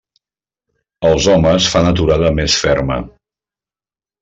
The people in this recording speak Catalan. Els homes fan aturada més ferma.